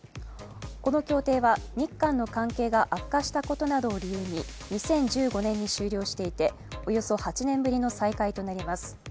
この協定は日韓の関係が悪化したことなどを理由に２０１５年に終了していておよそ８年ぶりの再開となります。